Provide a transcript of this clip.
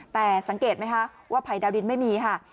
แต่สังเกตไหมคะว่าภัยดาวดินไม่มีค่ะ